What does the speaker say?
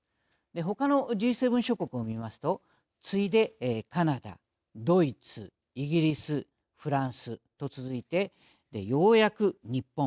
ほかのＧ７諸国を見ますと次いでカナダ、ドイツ、イギリスフランスと続いてようやく日本。